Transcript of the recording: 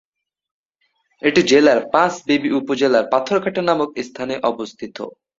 এটি জেলার পাঁচবিবি উপজেলার পাথরঘাটা নামক স্থানে অবস্থিত।